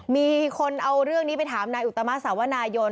มีคนเอาเรื่องนี้ไปถามนายอุตมะสาวนายน